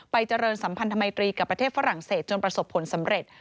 เจริญสัมพันธมิตรีกับประเทศฝรั่งเศสจนประสบผลสำเร็จ